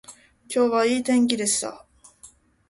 今日はいい天気でした